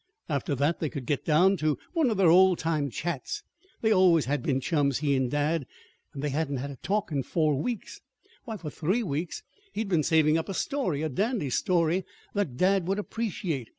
After that they could get down to one of their old time chats. They always had been chums he and dad; and they hadn't had a talk for four weeks. Why, for three weeks he had been saving up a story, a dandy story that dad would appreciate!